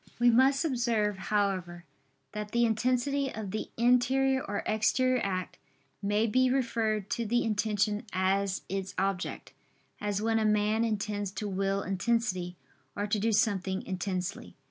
We must observe, however, that the intensity of the interior or exterior act, may be referred to the intention as its object: as when a man intends to will intensely, or to do something intensely.